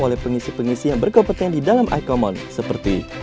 oleh pengisi pengisi yang berkompetensi dalam ikomon seperti